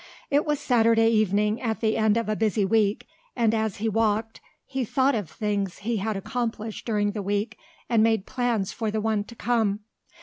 It was Saturday evening at the end of a busy week and as he walked he thought of things he had accomplished during the week and made plans for the one to come.